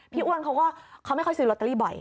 พี่อ้วนเขาก็ไม่ค่อยซื้อรอเตอรี่บ่อย